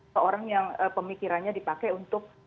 seorang yang pemikirannya dipakai untuk